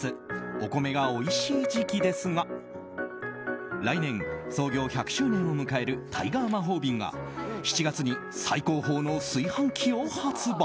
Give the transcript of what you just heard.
お米がおいしい時期ですが来年創業１００周年を迎えるタイガー魔法瓶が７月に最高峰の炊飯器を発売。